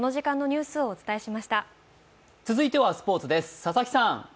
続いてはスポーツです。